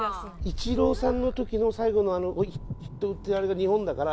イチローさんの時の最後のあのヒット打ってあれが日本だから。